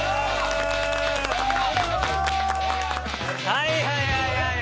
はいはいはい。